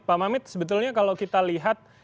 pak mamit sebetulnya kalau kita lihat